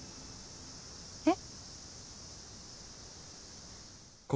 えっ？